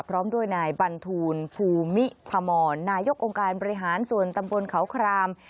พร้อมด้วยนายบรรทูลภูมิพมรนายกองค์การบริหารส่วนตำบลเขาคราม